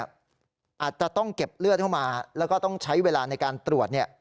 อาจจะต้องเก็บเลือดเข้ามาแล้วก็ต้องใช้เวลาในการตรวจ